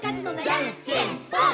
「じゃんけんぽん！！」